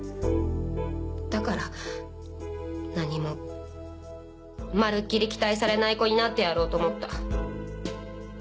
だからなにもまるっきり期待されない子になってやろうと思った。